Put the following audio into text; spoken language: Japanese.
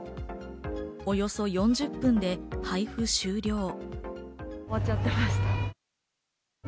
およそ４０分で配布終了。